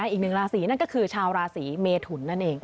อีกหนึ่งราศีนั่นก็คือชาวราศีเมทุนนั่นเอง